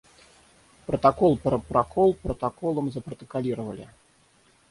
Протокол про прокол протоколом запротоколировали.